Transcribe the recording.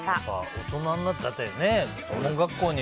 大人になって専門学校に。